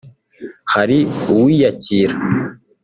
hari uwiyakira